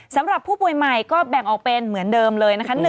สำหรับผู้ป่วยใหม่ก็แบ่งออกเป็นเหมือนเดิมเลยนะคะ